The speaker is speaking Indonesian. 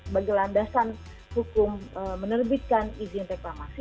bagi landasan hukum menerbitkan izin reklamasi